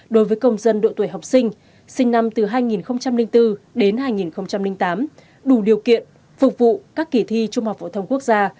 đối với công dân độ tuổi học sinh sinh năm từ hai nghìn bốn đến hai nghìn tám đủ điều kiện phục vụ các kỳ thi trung học phổ thông quốc gia